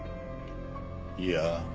いや。